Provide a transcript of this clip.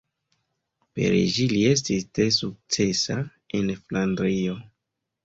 Per ĝi li estis tre sukcesa en Flandrio.